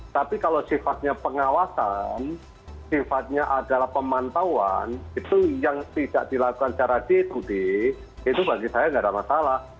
tapi kalau sifatnya pengawasan sifatnya adalah pemantauan itu yang tidak dilakukan secara day to day itu bagi saya tidak ada masalah